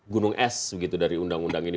gunung es begitu dari undang undang ini